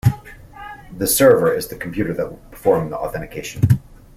The "server" is the computer that will perform the authentication.